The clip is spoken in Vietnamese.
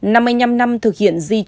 năm mươi năm năm thực hiện di trúc